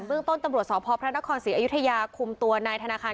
เรื่องต้นตำรวจสพพระนครศรีอยุธยาคุมตัวนายธนาคาร